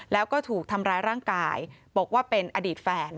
แล้วก็ถูกทำร้ายร่างกายบอกว่าเป็นอดีตแฟน